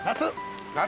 夏！